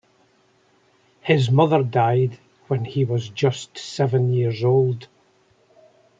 His mother died when he was just seven years old.